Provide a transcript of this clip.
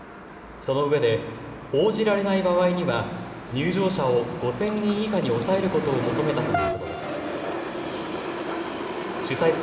そのうえで応じられない場合には入場者を５０００人以下に抑えることを求めたということです。